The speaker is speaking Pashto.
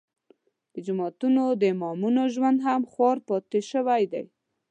د جوماتونو د امامانو ژوند هم خوار پاتې شوی دی.